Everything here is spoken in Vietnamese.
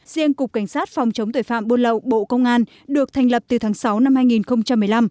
riêng cục cảnh sát phòng chống tội phạm buôn lậu bộ công an được thành lập từ tháng sáu năm hai nghìn một mươi năm